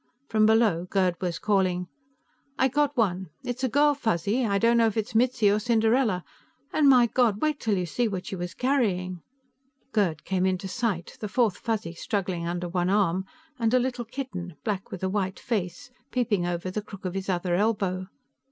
From below, Gerd was calling: "I got one, It's a girl Fuzzy; I don't know if it's Mitzi or Cinderella. And, my God, wait till you see what she was carrying." Gerd came into sight, the fourth Fuzzy struggling under one arm and a little kitten, black with a white face, peeping over the crook of his other elbow.